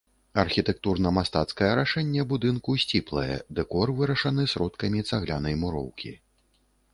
Архітэктурна-мастацкае рашэнне будынку сціплае, дэкор вырашаны сродкамі цаглянай муроўкі.